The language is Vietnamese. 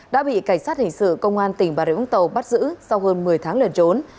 đã bị cảnh sát hình sự công an tỉnh bà rịa úng tàu bắt giữ sau hơn một mươi tháng lần trốn